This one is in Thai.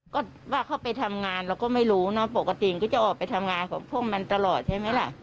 ก็ว่าเขาไปทำงานเราก็ไม่รู้เนอะปกติก็จะออกไปทำงานของพวกมันตลอดใช่ไหมล่ะ